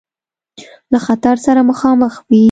له خطر سره مخامخ وي.